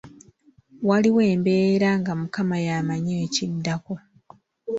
Waliwo embeera nga mukama y’amanyi ekiddako.